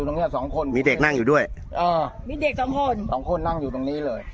ตรงเนี้ยสองคนมีเด็กนั่งอยู่ด้วยเออมีเด็กสองคนสองคนนั่งอยู่ตรงนี้เลย